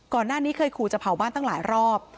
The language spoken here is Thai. ก่อนหน้านี้เคยขู่จะเผาบ้านตั้งหลายรอบ